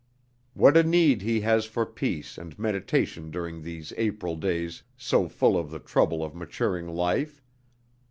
What a need he has for peace and meditation during these April days so full of the trouble of maturing life!